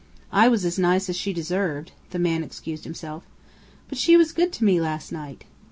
"I was as nice as she deserved," the man excused himself. "But she was good to me last night!"